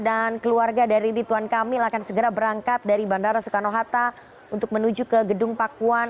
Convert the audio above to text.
dan keluarga dari ritwan kamil akan segera berangkat dari bandara soekarno hatta untuk menuju ke gedung pakuan